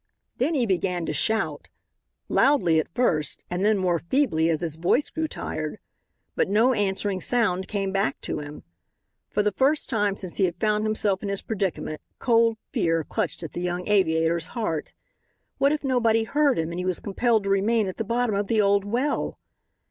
Then he began to shout. Loudly at first and then more feebly as his voice grew tired. But no answering sound came back to him. For the first time since he had found himself in his predicament cold fear clutched at the young aviator's heart. What if nobody heard him and he was compelled to remain at the bottom of the old well?